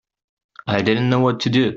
I didn't know what to do.